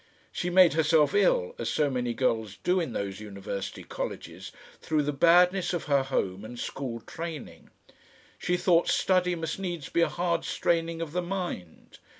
She made herself ill, as so many girls do in those university colleges, through the badness of her home and school training. She thought study must needs be a hard straining of the mind.